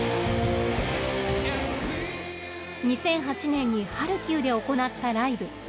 ２００８年にハルキウで行ったライブ。